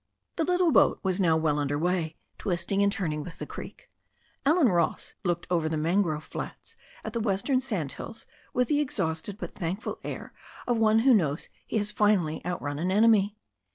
The little boat was now well under way, twisting and turning with the creek. Allen Ross looked over the man grove flats at the western sandhills with the exhausted, but thankful air of one who knows he has finally outrun an enemy.